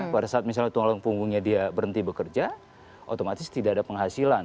pada saat misalnya tulang punggungnya dia berhenti bekerja otomatis tidak ada penghasilan